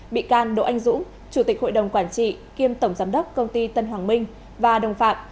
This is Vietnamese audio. bị can đỗ anh dũng chủ tịch hội đồng quản trị kiêm tổng giám đốc công ty tân hoàng minh và đồng phạm